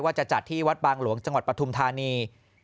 จะจัดที่วัดบางหลวงจังหวัดปฐุมธานี